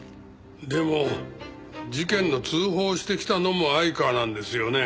でも事件の通報をしてきたのも相川なんですよね？